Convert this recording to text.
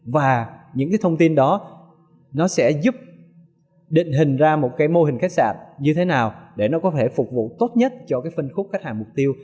và những cái thông tin đó nó sẽ giúp định hình ra một cái mô hình khách sạn như thế nào để nó có thể phục vụ tốt nhất cho cái phân khúc khách hàng mục tiêu